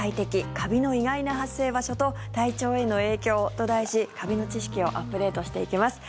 カビの意外な発生場所と体調への影響と題しカビの知識をアップデートしていきます。